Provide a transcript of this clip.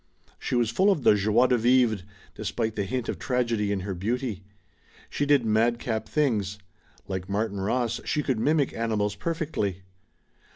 She was full of the joie de vwre, despite the hint of tragedy in her beauty. She did madcap things. Like Martin Ross she could mimic animals perfectly.